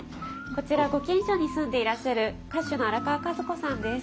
こちらご近所に住んでいらっしゃる歌手の荒川和子さんです。